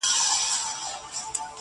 دا د هجر شپې به ټولي پرې سبا کړو,